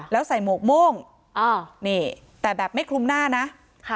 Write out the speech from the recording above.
แล้วใส่หมวกโม่งอ่านี่แต่แบบไม่คลุมหน้านะค่ะ